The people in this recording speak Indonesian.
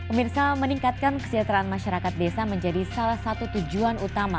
pemirsa meningkatkan kesejahteraan masyarakat desa menjadi salah satu tujuan utama